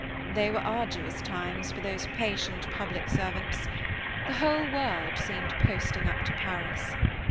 They were arduous times for those patient public servants. The whole world seemed posting up to Paris.